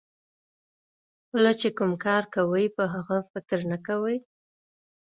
کله چې کوم کار کوئ په هغه فکر نه کوئ.